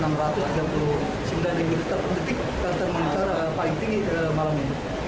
dengan debit maksimal enam ratus tiga puluh sembilan detik termenter paling tinggi malam ini